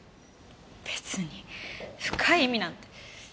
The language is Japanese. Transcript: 別に深い意味なんて。